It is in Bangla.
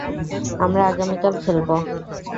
আমরা আগামীকাল খেলব।